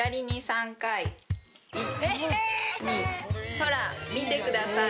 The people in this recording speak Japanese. ほら見てください。